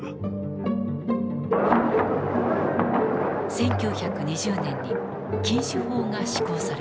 １９２０年に禁酒法が施行された。